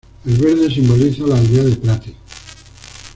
El verde simboliza la aldea de Prati.